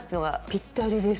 ぴったりです。